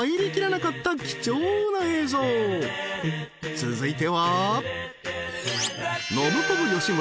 ［続いては］